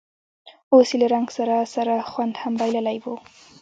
اوس یې له رنګ سره سره خوند هم بایللی و.